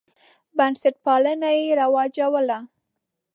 بنسټپالنه یې رواجوله.